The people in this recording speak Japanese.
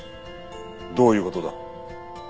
どういう事だ？